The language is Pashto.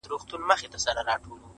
چلند د فکر عکس دی’